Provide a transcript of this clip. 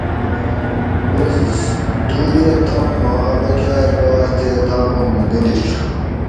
بس دُویۤہ تام ما اۤ بکاۤر گاس تے تامہ مُوں نہ لِیڄ